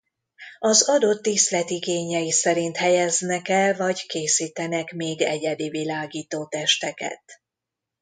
Az adott díszlet igényei szerint helyeznek el vagy készítenek még egyedi világítótesteket.